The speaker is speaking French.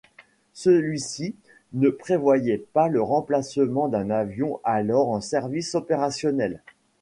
Celui-ci ne prévoyait pas le remplacement d'un avion alors en service opérationnel.